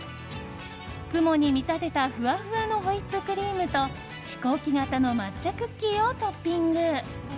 雲に見立てたふわふわのホイップクリームと飛行機形の抹茶クッキーをトッピング。